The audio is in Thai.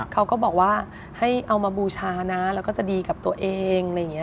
เขาก็บอกว่าให้เอามาบูชานะแล้วก็จะดีกับตัวเองอะไรอย่างนี้